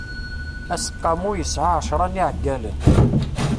Aseqqamu yesɛa ɛecṛa n iɛeggalen.